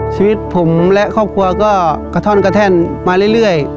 ชีวิตผมและครอบครัวก็กระท่อนกระแท่นมาเรื่อย